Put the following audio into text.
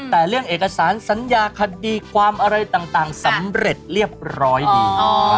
แต่เรื่องเอกสารสัญญาคดีความอะไรต่างสำเร็จเรียบร้อยดี